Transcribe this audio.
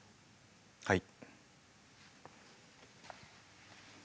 はい。